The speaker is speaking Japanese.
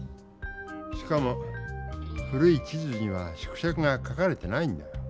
しかも古い地図には縮尺が書かれてないんだ。